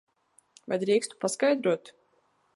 Vai drīkstu paskaidrot?